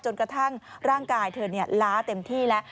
กระทั่งร่างกายเธอล้าเต็มที่แล้ว